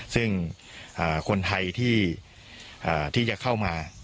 ซึ่งคนไทยที่จะเข้ามา